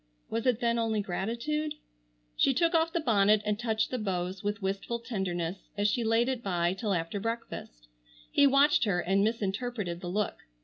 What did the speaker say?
Was it then only gratitude? She took off the bonnet and touched the bows with wistful tenderness as she laid it by till after breakfast. He watched her and misinterpreted the look.